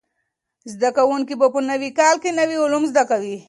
زده کوونکي به په راتلونکي کال کې نوي علوم زده کوي.